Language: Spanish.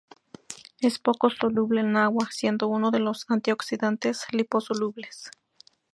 Es poco soluble en agua, siendo uno de los antioxidantes liposolubles.